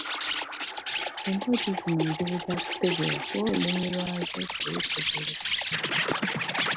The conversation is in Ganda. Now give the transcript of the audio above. Emboozi zino nzibu zakutegeera kuba olulimi lwazo terutegeerekeka